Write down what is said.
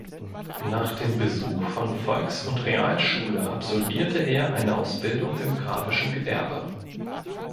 Nach dem Besuch von Volks- und Realschule absolvierte er eine Ausbildung im graphischen Gewerbe.